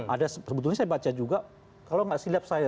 ada sebetulnya saya baca juga kalau nggak silap saya